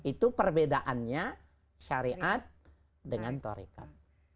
itu perbedaannya syari'at dengan torikoh